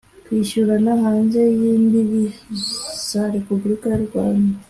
kwishyurana hanze y imbibi za Repubulika y u Rwanda